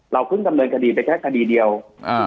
เพิ่งดำเนินคดีไปแค่คดีเดียวอ่า